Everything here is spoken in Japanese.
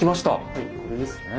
はいこれですね。